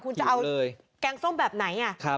คุณจะเอาแกงส้มแบบไหน